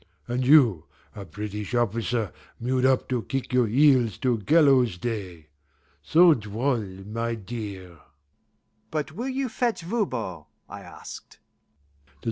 And you a British officer mewed up to kick your heels till gallows day! So droll, my dear!" "But will you fetch Voban?" I asked.